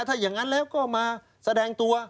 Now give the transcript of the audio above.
ถ้าอย่างนั้นแล้วก็มาแสดงตัว